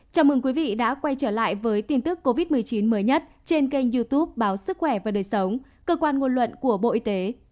chào mừng quý vị đã quay trở lại với tin tức covid một mươi chín mới nhất trên kênh youtube báo sức khỏe và đời sống cơ quan ngôn luận của bộ y tế